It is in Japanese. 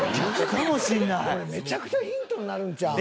これめちゃくちゃヒントになるんちゃうん。